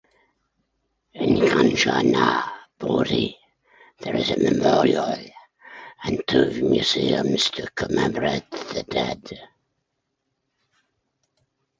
At Kanchanaburi, there is a memorial and two museums to commemorate the dead.